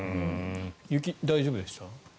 雪、大丈夫でした？